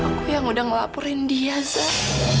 aku yang udah ngelaporin dia zah